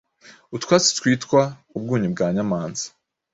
utwatsi twitwa ubwunyu bwa nyamanza